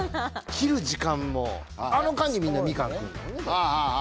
切る時間もあの間にみんなみかん食うんだもんね